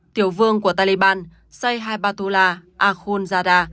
tiểu vương của taliban syed haibatullah akhundzada